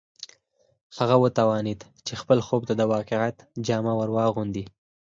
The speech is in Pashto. هغه وتوانېد چې خپل خوب ته د واقعیت جامه ور واغوندي